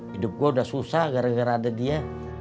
hidup gue udah susah gara gara ada dia